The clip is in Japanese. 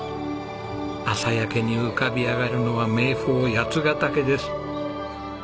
朝焼けに浮かび上がるのは名峰八ヶ岳です。